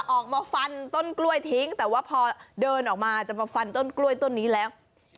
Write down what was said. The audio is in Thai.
ออกมาฟันต้นกล้วยทิ้งแต่ว่าพอเดินออกมาจะมาฟันต้นกล้วยต้นนี้แล้ว